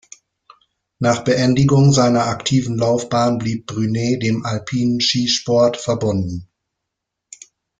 Nach Beendigung seiner aktiven Laufbahn blieb Brunet dem alpinen Skisport verbunden.